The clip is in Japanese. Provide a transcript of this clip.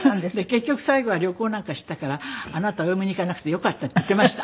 結局最後は旅行なんかしていたから「あなたお嫁に行かなくてよかった」って言っていました。